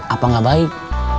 apa gak baik